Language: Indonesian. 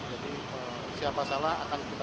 jadi siapa salah akan kita tinggalkan